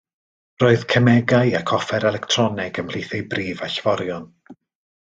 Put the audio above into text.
Roedd cemegau ac offer electroneg ym mhlith ei brif allforion.